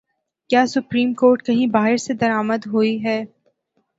کیا supreme court کہیں باہر سے درآمد ہوئی ہے؟